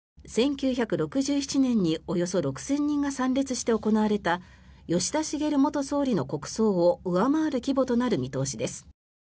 １９６７年におよそ６０００人が参列して行われた吉田茂元総理の国葬を上回る規模となる見通しです。